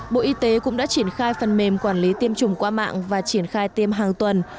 bộ y tế cũng đã triển khai phần mềm quản lý tiêm chủng qua mạng và triển khai tiêm hàng tuần